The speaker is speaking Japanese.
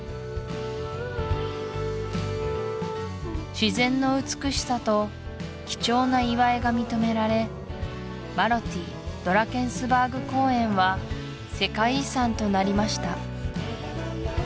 自然の美しさと貴重な岩絵が認められマロティ＝ドラケンスバーグ公園は世界遺産となりました